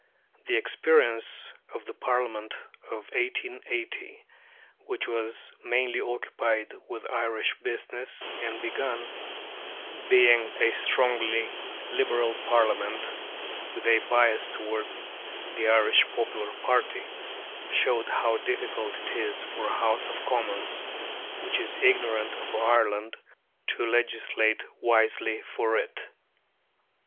The experience of the Parliament of 1880, which was mainly occupied with Irish business, and began, being a strongly Liberal Parliament, with a bias toward the Irish popular party, showed how difficult it is for a House of Commons which is ignorant of Ireland to legislate wisely for it.